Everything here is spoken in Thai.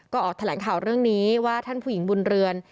ก็ออกแถลงข่าวเรื่องนี้ว่าท่านผู้หญิงบุญเรือน